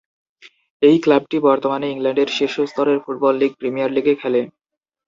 এই ক্লাবটি বর্তমানে ইংল্যান্ডের শীর্ষ স্তরের ফুটবল লীগ প্রিমিয়ার লীগে খেলে।